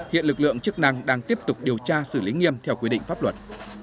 hiện lực lượng chức năng đang tiếp tục điều tra xử lý nghiêm theo quy định pháp luật